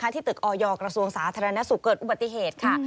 ที่ตึกออยกระทรวงสาธารณสุขเกิดอุบัติเหตุค่ะ